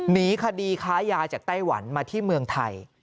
หนีคดีค้ายาจากไต้หวันมาที่เมืองไทย